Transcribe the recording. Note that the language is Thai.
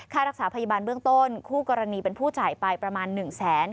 ค่ารักษาพยาบาลเบื้องต้นคู่กรณีเป็นผู้จ่ายไปประมาณ๑แสน